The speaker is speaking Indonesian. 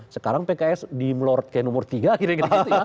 sekarang pks di melorot kayak nomor tiga gitu ya